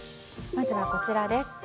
まずはこちらです。